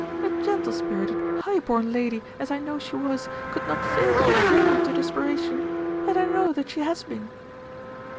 A gentle spirited, high born lady, as I know she was, could not fail to be driven to desperation; and I know that she has been."